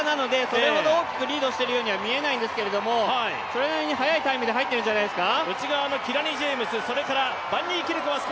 それほど大きくリードしているようには見えないんですけどそれなりに速いタイムで入ってるんじゃないですか。